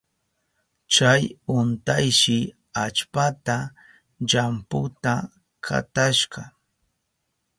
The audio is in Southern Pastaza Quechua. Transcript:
Chay untayshi allpata llamputa katashka.